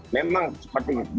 memang seperti gatot kaca itu